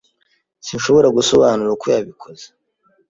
Sinshobora gusobanura uko yabikoze.